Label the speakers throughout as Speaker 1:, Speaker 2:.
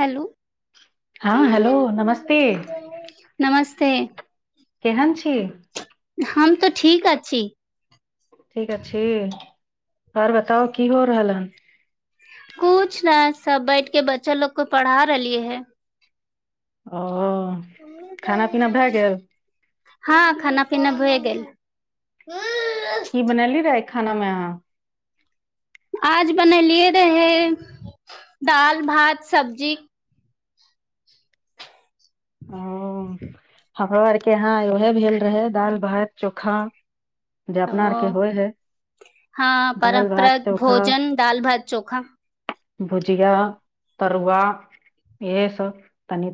Speaker 1: hello
Speaker 2: हाँ hello नमस्ते
Speaker 1: -ते
Speaker 2: केहन छी
Speaker 1: हम तो ठीक अछि
Speaker 2: ठीक अछि आओर बताउ की हो रहल‌ हन
Speaker 1: कुछ नै सब बैठ के बच्चा लोक के पढ़ा रहलियै हें
Speaker 2: अ-
Speaker 1: हाँ खाना पीना भेए गेल
Speaker 2: की बनैलि रहै खाना मे अहाँ
Speaker 1: आज बनैलियै रहै दाल भात सब्जी
Speaker 2: हँ-हमरो आर के यहाँ ओहे भेल रहै दाल भात चोखा जे
Speaker 1: अ
Speaker 2: अपना आर के होइ है
Speaker 1: हँ
Speaker 2: दालि भात
Speaker 1: परहत्रक भोजन दाल भात चोखा
Speaker 2: भूजीया तरूआ इहे सब तनि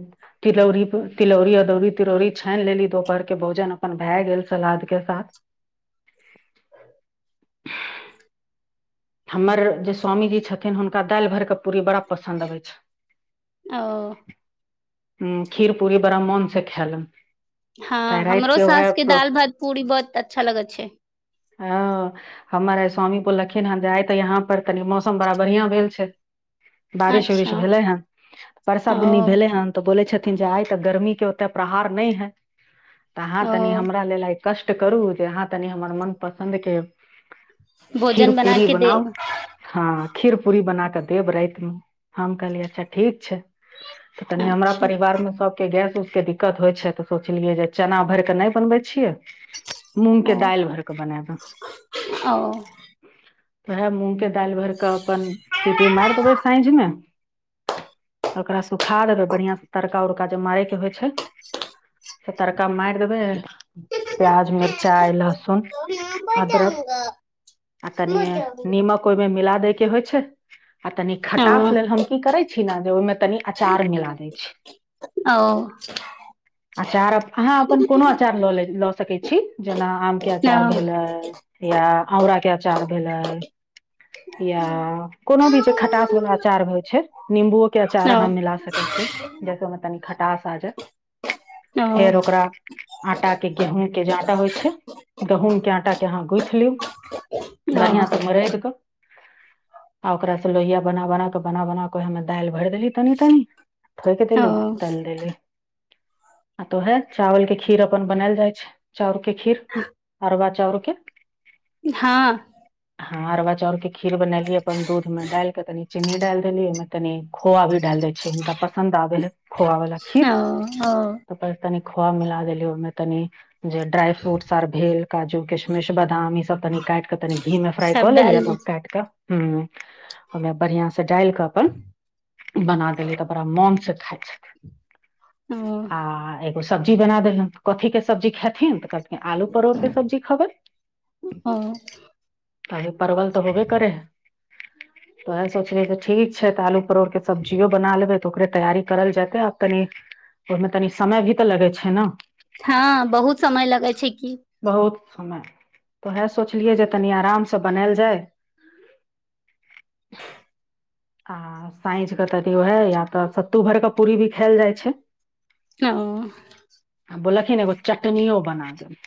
Speaker 2: तिलौरी तिलौरी अदौरी तिलौरी छेन लेली ओकर आर के भोजन भाए गेल सलाद के साथ हमर जे स्वामीजी छथिन हुनका दालि भरिके पूरी बड़ा पसन्द आबै
Speaker 1: ओ
Speaker 2: छै हूँ खीर पूरी बड़ा मोन सँ खेलैन
Speaker 1: हाँ हमरो सास के दाल भात पुरी बहुत अच्छा लगै छै
Speaker 2: आ हमर आइ स्वामी बोलखिं हन आइ त यहाँ पर तनि मौसम बड़ा बढ़िया भेल छै बारिश उड़ीस
Speaker 1: अच्छा
Speaker 2: भेलै हन वर्षा
Speaker 1: ओ
Speaker 2: बूंदी भेल हन त बोलै छथि आइ त गर्मी के ओत्ते प्रहार नै है तऽ अहाँ
Speaker 1: ओ
Speaker 2: तनी हमरा लेल आइ कष्ट करू जे अहाँ तनि हमर मनपसन्दके
Speaker 1: भोजन बनाके
Speaker 2: बनाउ हँ हँ खीर पूरी बना कऽ देब राति मे हम कहलियै अच्छा ठीक छै तऽ कनि हमरा
Speaker 1: अच्छा
Speaker 2: परिवार मे सबके गैस उस के दिक्कत होइ छै तऽ सोचलियै जे चना भरि कऽ नहि बनबै छियै मूँग के
Speaker 1: ओ
Speaker 2: दालि भर कऽ बना दें
Speaker 1: ओ
Speaker 2: वएह मूंग के दालि भरिके अपन सीटी मारि देबै साँझ मे ओकरा सुखा देबे बढ़ियाँ से तड़का उड़का जे मारे के होइ छै से तड़का मारि देबै प्याज मिरचाइ लहसुन अदरक तनिये नीमक ओइमे मिला देैके होइ छै आ तनी
Speaker 1: ओ
Speaker 2: खटास
Speaker 1: ओ
Speaker 2: लेल हम की करै छी ने जे ओहिमे तनी अचार मिला दै छी
Speaker 1: ओ
Speaker 2: आचार हँ अपन कोनो अचार लऽ लेली- ल सकै छी जेना आम के अचार
Speaker 1: ओ
Speaker 2: भेलै या ओंरा के आचार भेलै या कोनो भी जे खट्टास वला अचार होइ छै नींबुओ के अचार अहाँ मिला सकै छी जैसे ओहि मे तनि खट्टास आ जाय फेर
Speaker 1: ओ
Speaker 2: ओकरा अंटा के गेहूं के जे अंटा होइ छै गेहूंम के अंटा के अहाँ गूथ लूँ बढ़ियाँ सँ मरैदक आओकर सँ लौया बना बना क बना बना क ओहि मे दालि भरि देली तनि ठोक
Speaker 1: ओ
Speaker 2: देली
Speaker 1: ओ
Speaker 2: तएल देली आ त ओहे चावल के खीर अपन बनाएल जाइ छै चाउर के खीर अरबा चाउर के
Speaker 1: हाँ
Speaker 2: हाँ अरबा चाउर के खीर बनएली अपन दूध मे डाली के तनी चिनी डाएल देली ओइमे तनी खोआ भी डालि दैय छियै हिनका पसन्द आबै हइ ख़ौआ वला खीर
Speaker 1: ओ
Speaker 2: ओ पर तनिक खोवा मिला देली ओहि मे तनि जे ड्राई फूट आर भेल काजु किसमिस बदाम इ सब त तनी घी फ्राई क
Speaker 1: सब
Speaker 2: लेली
Speaker 1: डाल
Speaker 2: अगब काटि क हूँ ओमे बढ़ियाँ सँ त डालि क अपन बना देली त बड़ा मन सँ खाइ छथि
Speaker 1: ओ
Speaker 2: आ एक- ओ सब्जी बना देलक कथि क सब्जी खेथिन आलू परोड़ के सब्जी
Speaker 1: ओ
Speaker 2: खेबैय परवल त होबे करै हइ ओहा सोचली जे ठीक छै आलू परोड़ के सब्जीयो बना लेबै ओकरे तैयारी करल जेतै आ तनि ओहिमे तनि समय भी त लगै छै न
Speaker 1: हाँ बहुत समय लगै छै की
Speaker 2: हमे ओहा सोचलियै जे तनि अराम स बनाएल जाय आ साँझिक त उहा या त सत्तू भरिक भी पूरी खाएल जाइ छै
Speaker 1: हँ
Speaker 2: आ बोललखिन एगो चटनीयो बना देबै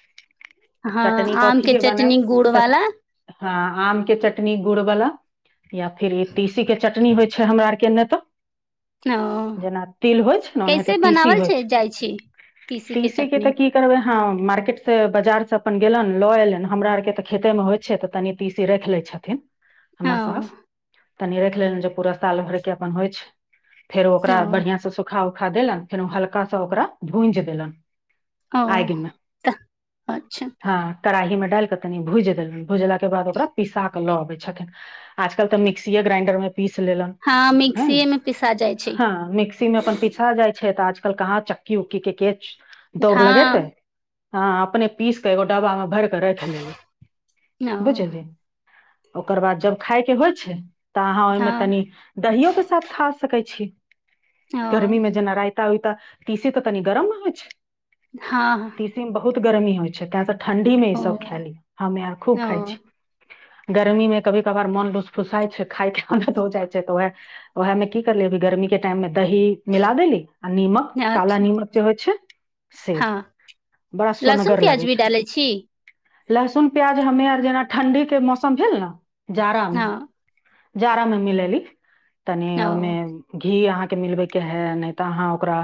Speaker 1: हँ आम के चटनी गुड़
Speaker 2: तऽ
Speaker 1: वला
Speaker 2: हँ आम के चटनी गुड़ वला या फिर ई तीसी के चटनी होइ छै हमरा आर के एने तऽ
Speaker 1: ओ
Speaker 2: जेना तिल होइ छै ने ओनाहिते
Speaker 1: कैसे
Speaker 2: तीसी
Speaker 1: बनावल
Speaker 2: होइ छै
Speaker 1: जाइ छी
Speaker 2: तीसी के तऽ की करबै हम मार्केट से बाजार स अपन गेलन लऽ एलन हमरा आर के तऽ खेते मे होइ छै तऽ तनि तीसी राखि लै छथिन
Speaker 1: ओ
Speaker 2: हमर साउस तनि राखि लेलहूँ जे पूरा साल भरिके अपन होइ छै फेर ओकरा
Speaker 1: ओ
Speaker 2: बढ़ियाँ स सुखाउ सूखा देलन फेर ओ हल्का सा ओकरा भूजि देलन
Speaker 1: ओ
Speaker 2: आगि मे
Speaker 1: तऽ अच्छा
Speaker 2: हँ कराही मे डालि क कनि भूजी देलहुँ भुजला के बाद ओकरा पीसा कऽ लऽ आबै छथिन आज कल्ह त मिक्सीए ग्राइंडर मे पिस लेलन
Speaker 1: हँ
Speaker 2: ऐंय
Speaker 1: मिक्सीए मे पिसा जाइ छै
Speaker 2: हँ मिक्सी अपन पिसा जायत छै आज कल कहाँ चक्की उक्की के केछ - दौड़ लगेतै
Speaker 1: हँ
Speaker 2: हाँ अपने पीसक एकगो डब्बा मे भरि क राखि
Speaker 1: ओ
Speaker 2: बुझली ओकर बाद जब खाई के होइ छै त अहाँ ओहि मे
Speaker 1: हँ
Speaker 2: तनि दहीयो के साथ खा सकै छी
Speaker 1: ओ
Speaker 2: गर्मीमे जना रायता उइ- त तीसी त कनि गर्म न होइ छै
Speaker 1: हाँ
Speaker 2: त गरमी होइ छै तें त ठंडी मे इ सब खाए ली हमे आर खूब
Speaker 1: ओ
Speaker 2: खाइ छी गर्मी मे कभी कभार मन लुसफूसाइ छै खाइ के मन हो जाइत छै त ओहा ओहा मे की करलियै गर्मी के टाइम मे दही मिला देली आ निमक काला
Speaker 1: अच्छा
Speaker 2: निमक जे होइ छै से
Speaker 1: हँ
Speaker 2: बड़ा
Speaker 1: लहसुन
Speaker 2: सोनगर लागै
Speaker 1: प्याज भी डालै छी
Speaker 2: छै लहसुन प्याज हमे आर जना ठंडी के मौसम भेल न जाड़ा
Speaker 1: हँ
Speaker 2: मे जाड़ा मे मिलेली तनि
Speaker 1: ओ
Speaker 2: ओइ मे घी अहांँक के मिलबै के है नहि तऽ आहांँ ओकरा‌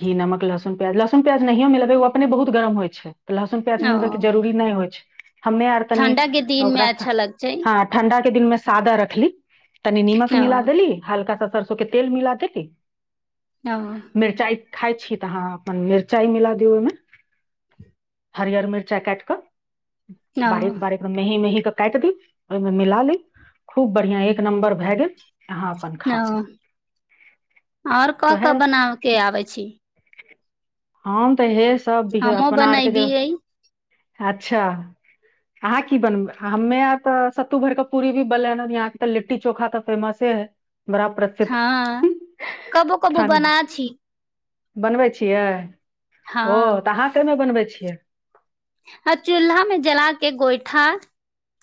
Speaker 2: घी नमक लहसुन प्याज लहसुन प्याज नहियो मिलेबै ओ अपने बहुत गरम होइ छै लहसुन प्याज मिलबै
Speaker 1: ओ
Speaker 2: के जरुरी नहि होइ [inaudible] हमे अर‌ तनी
Speaker 1: ठंडा के दिन मे
Speaker 2: ओकरा‌ सऽ
Speaker 1: अच्छा लगतै
Speaker 2: हंँ ठंडा के दिन मे सादा रखली तनि निमक
Speaker 1: ओ
Speaker 2: मिला देली हल्का सा सरसों के तेल मिला देली
Speaker 1: ओ
Speaker 2: मिर्चाय खाय छी‌ तऽ अहाँ अपन मिरचाय मिला दियौ ओइ मे हरियर मिरचाय काइट कऽ
Speaker 1: ओ
Speaker 2: बारीक बारीक मेहीं मेहीं क काइट दियो ओइ मे मिला ली‌ खूब बढ़ियाँ एक नंबर भऽ गेल अहाँ अपन खाउ
Speaker 1: हंँ आओर
Speaker 2: तऽ
Speaker 1: क-क
Speaker 2: हे
Speaker 1: बनाबै के आबै छी
Speaker 2: हम तऽ इहे स
Speaker 1: हमहुँ बनैबियै
Speaker 2: अच्छा अहांँ की बनबै हमे आर तऽ सत्तू भरि क पूरी भी‌ बनलैहन यहाँ के लिट्टी चोखा तऽ फेमसे हइ
Speaker 1: हंँ कबो कबो
Speaker 2: ठण्ड
Speaker 1: बना छी
Speaker 2: बनबै छियै
Speaker 1: हँ
Speaker 2: ओ तऽ अहांँ कैय मे बनबै छियै
Speaker 1: आ चुल्हा मे‌ जलाके गोइठा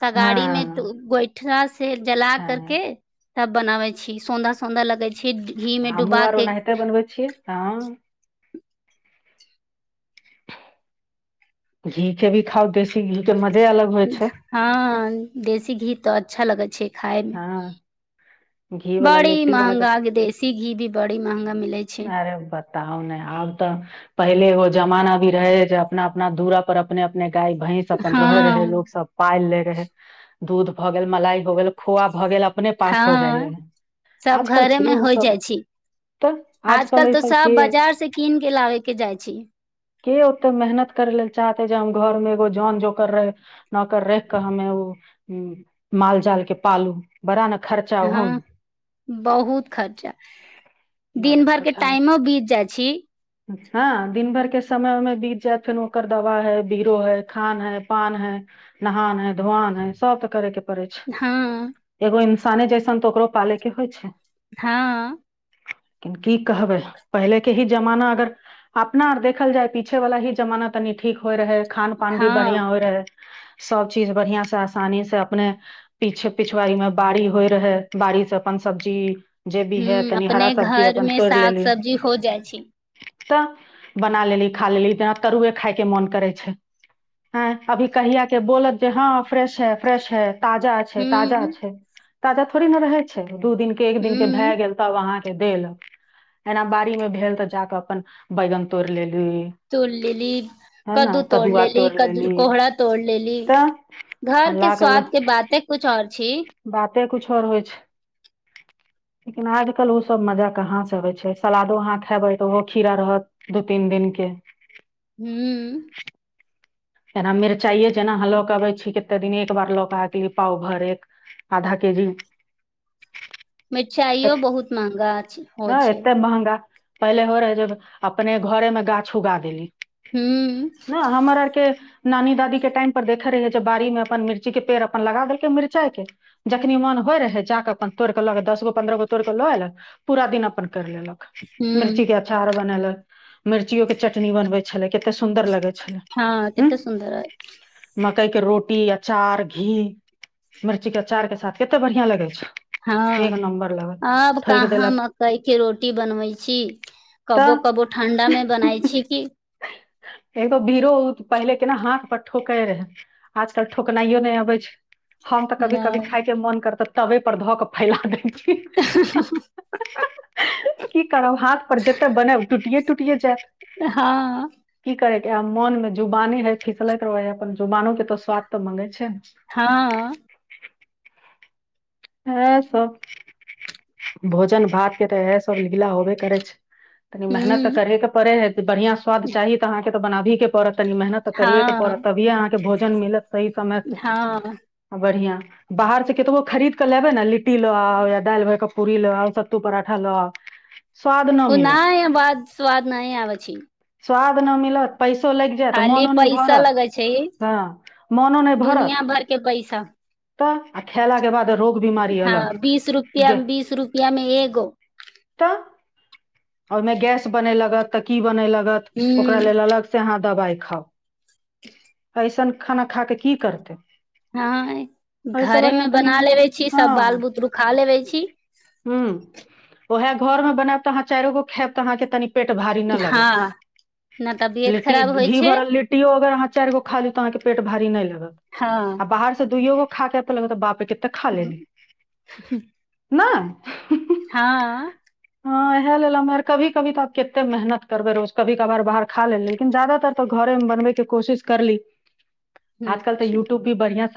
Speaker 1: तगारी मे
Speaker 2: हँ
Speaker 1: गोइठा से जला
Speaker 2: हँ
Speaker 1: करके तब बनाबै छी सुंदर सुंदर लगै छै घी मे
Speaker 2: हमहुँ
Speaker 1: डुबा
Speaker 2: आर
Speaker 1: के
Speaker 2: ओनाहिंते बनबै छियै हंँ घी के भी खाउ देसी घी के म-
Speaker 1: हंँ देसी घी तऽ अच्छा लगै छै खाय मे
Speaker 2: हँ घी वाला
Speaker 1: बड़ी
Speaker 2: लिट्टी वाला के
Speaker 1: महंगा देसी घी भी बड़ी महंगा मिलै छै
Speaker 2: अरे बा- बताउ ने आब तऽ पहिले ओ जमाना भी रहैय जे अपना अपना दूराऽ पर अपने अपने गाय भैंस अपन रहै रहे
Speaker 1: हँ
Speaker 2: लोक सब पाइल लै रहै दूध भ गेल मलाई भ गेल खोआ भ गेल अपने पास हो जाइ
Speaker 1: हँ
Speaker 2: हइ
Speaker 1: सब
Speaker 2: आजकल
Speaker 1: घरे
Speaker 2: के
Speaker 1: मे
Speaker 2: उ
Speaker 1: होइ
Speaker 2: सब
Speaker 1: जाइ छी
Speaker 2: तऽ आजकल ओइ
Speaker 1: तऽ
Speaker 2: सब के
Speaker 1: बाजार से कीन के लाबे के जाइ छी
Speaker 2: के ओत्ते मेहनत केरैलेल चाहतै जे हम घर मे एगो जौन जोकर रहै नौकर रखि क हमे उ हूँ माल-जाल के पालू बड़ा न
Speaker 1: हाँ बहुत खर्चा दिन
Speaker 2: बड
Speaker 1: दिन भर के टाइमो बीत जाइ छी
Speaker 2: हाँ दिन भर के समय मे ओमे बीत जायत फेर ओकर दवाई हइ बिरो हइ खान हइ पान हइ नहान हइ धोआन हइ सब त करै के परै
Speaker 1: हँ
Speaker 2: छै एगो इन- -सान जैसन तऽ ओकरो पालै के होइ छै
Speaker 1: हाँ
Speaker 2: [unintelligible] की कहबै हम पहिले के ही जमाना अगर अपना आर देखल जाइ पीछे वला ही जमाना तनिक ठीक होइ रहै खान पान भी
Speaker 1: हँ
Speaker 2: बढ़ियाँ होइ रहै सब चीज बढ़ियाँ से आसनी से अपने पीछ पीछवाड़ी मे बारि होइ रहै बारि से अपन सब्जी जे भी है
Speaker 1: ह
Speaker 2: तनि हरा
Speaker 1: अपने
Speaker 2: सब्जी
Speaker 1: घर
Speaker 2: अपन
Speaker 1: मे साग सब्जी होइ जाइ छै
Speaker 2: त बना लेली खा लेली जना तरुआ खाइ क मोन करै छै ऐं अभी कहिया के बोलत जे हाँ फ्रेश है फ्रेश है ताजा छै ताजा
Speaker 1: हूँ
Speaker 2: छै ताजा थोड़ी न रहै छै दू दिन के एक दिन
Speaker 1: हूँ
Speaker 2: भए गेल तब अहाँ के देलक एना बारी भेल त जा क अपन बैगन तोड़ लेल
Speaker 1: तोड़ लेली कद्दू
Speaker 2: ने
Speaker 1: तोड़
Speaker 2: कदुआ
Speaker 1: लेली
Speaker 2: तोड़ि
Speaker 1: कद्दू कोहरा तोड़ लेली
Speaker 2: तऽ
Speaker 1: घर के स्वाद के बातें कुछ आओर छै
Speaker 2: नै कुछ आओर होइ छै लेकिन आज कल वो सब मजा कहाँ जे छै सलादो अहाँ खेबैय ओहो खीरा रहत दू तीन दिन के
Speaker 1: हूँ
Speaker 2: जेना मिर्चायै जेना अहाँ ल कऽ आबै छी एक बार ल कऽ आ गेली पाउ भर एक आधा के जी
Speaker 1: मिर्चाइयौ बहुत मंहगा छै होइ
Speaker 2: एतना
Speaker 1: छै
Speaker 2: एते महंगा पहिले होइ रहै अपने घर मे गाछ उगा देली
Speaker 1: हूँ
Speaker 2: ने हमर आर के नानी दादी के टाइम पर देखै रहियै जब बाड़ी मे मिर्ची के पेड़ अपन लगा देलकै मिर्चा के जखनी मन होइ रहै जा कऽ अपन तोड़ ल कऽ दसगो पंद्रहगो तोड़ क लएलक पुरा दिन अपन कर लेलक मिर्ची
Speaker 1: हूँ
Speaker 2: के अचार बनेलक मिर्चीयो के चटनी बनबै छलै कत्ते सुन- -दर लगै
Speaker 1: हँ
Speaker 2: छलैय
Speaker 1: कते सुंदर आएल छै
Speaker 2: मकइ के रोटी अचार घी मिरची के अचार के साथे त बढ़ियाँ लगै छै एक
Speaker 1: हंँ
Speaker 2: नम्बर लगल
Speaker 1: आब
Speaker 2: ठोक
Speaker 1: कहाँ
Speaker 2: देलक
Speaker 1: मकइ के रोटी बनबै छी कबो
Speaker 2: तऽ
Speaker 1: कबो ठंडा मे बनै छी की
Speaker 2: एगो भीड़ो पहिले केना हाथ पर ठोकै रहै आजकल ठोकनायौ नै अबै छै हम तऽ कभी कभी
Speaker 1: नहि
Speaker 2: खाइ के मन करतऽ तबे पर धऽ कऽ फैला दै छी की करब हाथ पर जते बनायब टूटिये टूटिये जायत
Speaker 1: हँ
Speaker 2: की करै या मनमे जुबानी नै फिसलैय त ओहए अपन ज- जुबानो के त स्वाद तऽ मंगै छै
Speaker 1: हँ
Speaker 2: इहाए सब भोजन भात के तऽ इहाए सब लीला होबे करै छै तनि मेहनत तऽ
Speaker 1: हूँ
Speaker 2: करहै के परै हइ बढ़ियाँ स्वाद चाही तऽ अहांँ के त बनाभही के पड़त तनि मेहनत त करयै के पड़त
Speaker 1: हँ
Speaker 2: तभीये अहाँके त भोजन मिलत सही समय स
Speaker 1: हँ
Speaker 2: आ बढ़ियाँ बाहर से कतबो खरीद कऽ लेबै न लिट्टी लऽ आउ या दालि भरि क पूरी लऽ आउ सत्तू पराठा लऽ आउ स्वाद न
Speaker 1: ओ
Speaker 2: मिलत
Speaker 1: नहि बाद स्वाद नहि आबै छी
Speaker 2: स्वाद न मिलत पैसो लगि
Speaker 1: खाली पैसा लगे छै
Speaker 2: हँ मोनो नहि भरत
Speaker 1: दुनिया भर के पैसा
Speaker 2: तऽ आ खेला के बाद रोग बीमारी अलग
Speaker 1: हंँ बीस रुपया
Speaker 2: गे
Speaker 1: बीस रुपया मे एगो
Speaker 2: ओहि मे गैस बनै लगत तऽ की बनैलक गत ओकर
Speaker 1: हूँ
Speaker 2: लेल अलग से अहाँ दवाई खाउ
Speaker 1: [inaudible]
Speaker 2: ऐसन खाना खा कऽ की करतै
Speaker 1: हँय
Speaker 2: एहिसँ
Speaker 1: घरे मे
Speaker 2: बढ़िआँ तनि
Speaker 1: बना लेबे छी सब बाल बुतरु खा लेबे छी
Speaker 2: हूँ उएह घर मे बनायब तऽ अहांँ चारियो गो खाएब‌ तऽ आहाँ के तनी पेट भारी न‌ लगत
Speaker 1: हँ न तबियत
Speaker 2: लिट्टी
Speaker 1: खराब होइ
Speaker 2: घी
Speaker 1: छै
Speaker 2: भरल लिट्टीयो अगर आहाँ चाइर गो खा‌ ली तऽ आहांँके पेट भारी नहि लग आ
Speaker 1: हँ
Speaker 2: बाहर से दूइयोगो खा कऽ एते लगत बाप रे क
Speaker 1: [unintelligible]
Speaker 2: नहि
Speaker 1: हँ
Speaker 2: ह खाय लेलौं मगर कभी कभी तऽ आब कते मेहनत करबै रोज कभी कभार बाहर खा लेली लेकिन ज्यादातर तऽ घरेमे बनबैके कोशिश करली आजकल तऽ
Speaker 1: अच्छा
Speaker 2: यूट्यूब भी बढ़ियां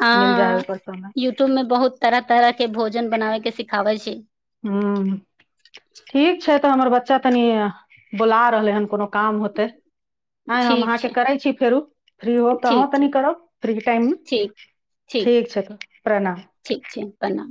Speaker 1: हँ यूट्यूब में बहुत तरह तरह के भोजन बनाबे के सिखाबे छै
Speaker 2: ह ठीक छै तऽ हमर बच्चा तनि बुला रहलै हन कोनो काम होतै आँय हम
Speaker 1: ठीक
Speaker 2: अहाँके
Speaker 1: छै
Speaker 2: करै छी फेरो फ्री होब तऽ अहूँ
Speaker 1: ठीक छै
Speaker 2: कनि करब फ्री
Speaker 1: ठीक
Speaker 2: टाइममे ठीक छै तऽ प्रणाम
Speaker 1: ठीक छै प्रणाम